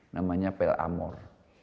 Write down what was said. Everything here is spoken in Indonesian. namanya pel amor